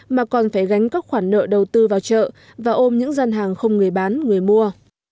mà còn phải gánh các khoản nợ đầu tư vào chợ và ôm những gian hàng không người bán người mua